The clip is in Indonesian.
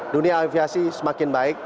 dunia aviasi semakin baik